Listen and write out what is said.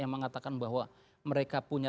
yang mengatakan bahwa mereka punya